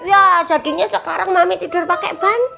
yah jadinya sekarang mami tidur pake bantal